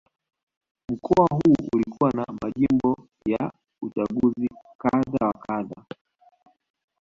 Mkoa huu ulikuwa na majimbo ya uchaguzi kadha na kadha